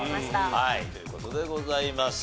はいという事でございます。